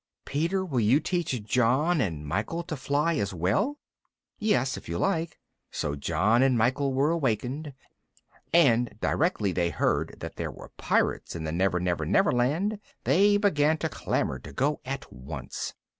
"Peter, will you teach John and Michael to fly as well?" "Yes, if you like." So John and Michael were awakened, and directly they heard that there were pirates in the Never Never Never Land they began to clamour to go at once.